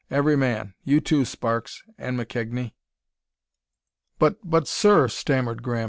Every man! You, too, Sparks and McKegnie!" "But but, sir!" stammered Graham.